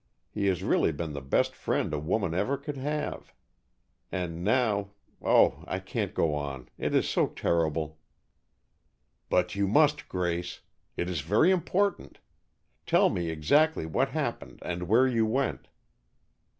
He has really been the best friend a woman ever could have, and now Oh, I can't go on. It is so terrible." "But you must, Grace. It is very important. Tell me exactly what happened and where you went."